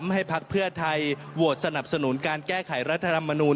พักเพื่อไทยโหวตสนับสนุนการแก้ไขรัฐธรรมนูล